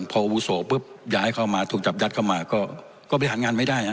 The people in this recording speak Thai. ปุ๊บย้ายเข้ามาถูกจับดัดเข้ามาก็ไปหันงานไม่ได้